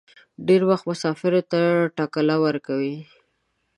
ډېر وخت مسافرو ته ټکله ورکوي.